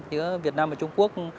như việt nam và trung quốc